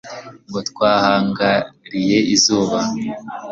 Ngo Twahangariye izuba